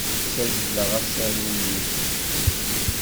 Ssazzleɣ asaru-nni.